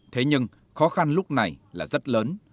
thế nhưng khó khăn lúc này là rất lớn